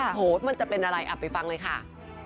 โอ้โหมันจะเป็นอะไรอ่ะไปฟังเลยค่ะ